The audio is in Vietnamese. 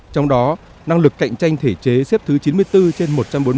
trong đó năng lực cạnh tranh thể chế xếp thứ chín mươi bốn trên một trăm bốn mươi